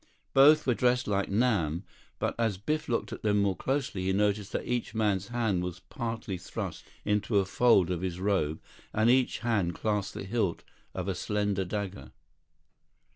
Both were dressed like Nam. But, as Biff looked at them more closely, he noticed that each man's hand was partly thrust into a fold of his robe, and each hand clasped the hilt of a slender dagger.